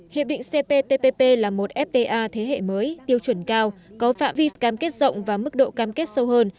hiệp định cptpp là một fta thế hệ mới tiêu chuẩn cao có phạm vi cám kết rộng và mức độ cam kết sâu hơn